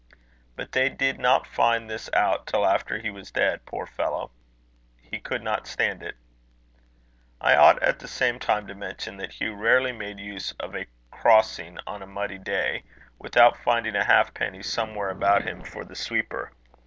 But they did not find this out till after he was dead, poor fellow! He could not stand it. I ought at the same time to mention, that Hugh rarely made use of a crossing on a muddy day, without finding a half penny somewhere about him for the sweeper.